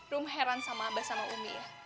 rum heran sama abah sama umi